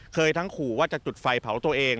ทั้งขู่ว่าจะจุดไฟเผาตัวเอง